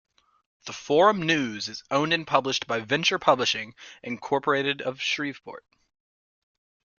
"The Forum News" is owned and published by Venture Publishing, Incorporated of Shreveport.